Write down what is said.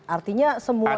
artinya semua ini